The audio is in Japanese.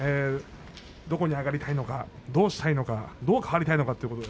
どこに上がりたいのかどうしたいのかどう取りたいのか。